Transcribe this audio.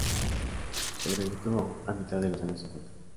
Se graduó a mitad de los años cincuenta.